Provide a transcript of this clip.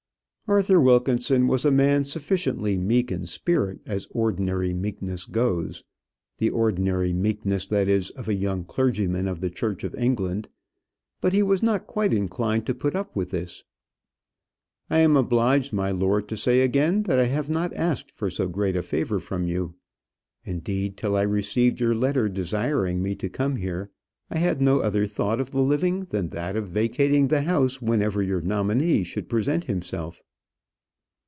Arthur Wilkinson was a man sufficiently meek in spirit, as ordinary meekness goes the ordinary meekness, that is, of a young clergyman of the Church of England but he was not quite inclined to put up with this. "I am obliged, my lord, to say again that I have not asked for so great a favour from you. Indeed, till I received your letter desiring me to come here, I had no other thought of the living than that of vacating the house whenever your nominee should present himself."